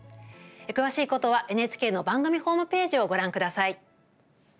詳しいことはＮＨＫの番組ホームページをご覧ください。